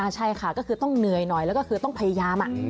ใช่ค่ะก็คือต้องเหนื่อยหน่อยแล้วก็คือต้องพยายาม